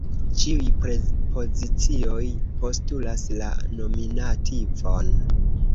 Ĉiuj prepozicioj postulas la nominativon.